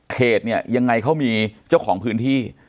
เขตเนี่ยยังไงเขามีเจ้าของพื้นที่